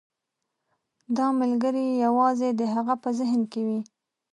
دا ملګری یوازې د هغه په ذهن کې وي.